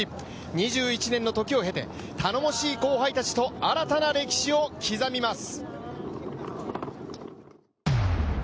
２１年の時を経て頼もしい後輩たちと新たな歴史を刻みます。